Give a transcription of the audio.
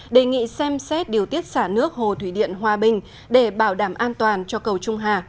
đề nghị xem xét điều tiết xả nước hồ thủy điện hòa bình để bảo đảm an toàn cho cầu trung hà